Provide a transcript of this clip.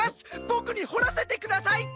ボクに掘らせてください！